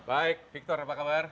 baik victor apa kabar